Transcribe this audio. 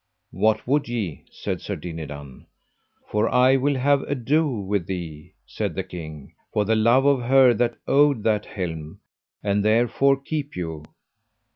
What would ye? said Sir Dinadan. For I will have ado with thee, said the king, for the love of her that owed that helm, and therefore keep you.